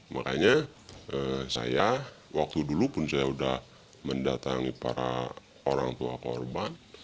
makanya saya waktu dulu pun saya sudah mendatangi para orang tua korban